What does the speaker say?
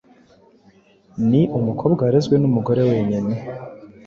ni umukobwa warezwe n'umugore wenyine